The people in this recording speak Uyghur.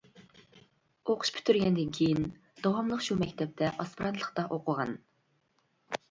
ئوقۇش پۈتتۈرگەندىن كېيىن داۋاملىق شۇ مەكتەپتە ئاسپىرانتلىقتا ئوقۇغان.